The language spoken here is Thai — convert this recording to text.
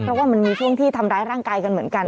เพราะว่ามันมีช่วงที่ทำร้ายร่างกายกันเหมือนกัน